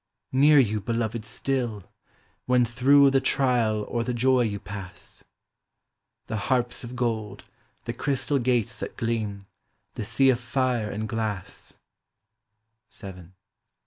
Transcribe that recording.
"Near you, Beloved, still; When through the trial or the joy you pass " The harps of gold, the crystal gates that gleam, The sea of fire and glass, — VII.